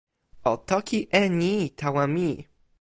o toki e ni tawa mi.